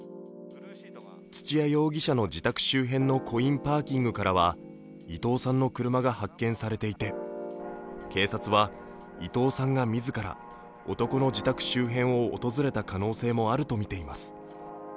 土屋容疑者の自宅周辺のコインパーキングからは伊藤さんの車が発見されていて、警察は伊藤さんが自ら男の自宅周辺を訪れた可能性もあるとみています。